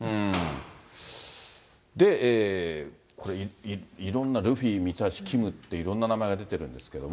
で、これいろんなルフィ、ミツハシ、ＫＩＭっていろんな名前が出てるんですけれども。